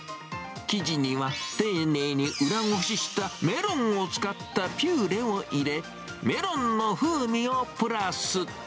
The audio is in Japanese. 生地には丁寧に裏ごししたメロンを使ったピューレを入れ、メロンの風味をプラス。